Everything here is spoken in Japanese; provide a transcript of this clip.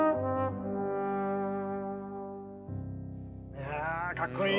いやあかっこいい。